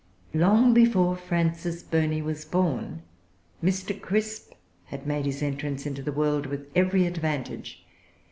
Long before Frances Burney was born, Mr. Crisp had made his entrance into the world, with every advantage.